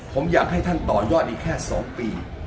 ผมอยากให้ท่านต่อยอดอีกแค่๒ปี